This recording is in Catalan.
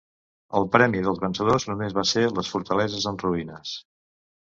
El premi dels vencedors només va ser les fortaleses en ruïnes.